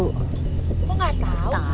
kok enggak tahu